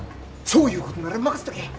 そういうことなら任せとけ。